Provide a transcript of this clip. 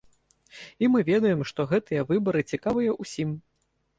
І мы ведаем, што гэтыя выбары цікавыя ўсім.